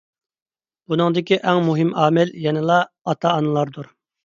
بۇنىڭدىكى ئەڭ مۇھىم ئامىل يەنىلا ئاتا-ئانىلاردۇر.